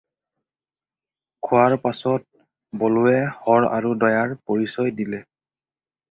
খোৱাৰ পাচত বলোৱে হৰ আৰু দয়াৰ পৰিচয় দিলে।